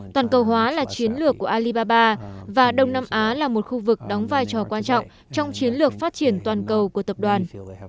toàn cầu hóa là chiến lược của alibaba và đông nam á là một khu vực đóng vai trò quan trọng trong chiến lược phát triển toàn cầu của tập đoàn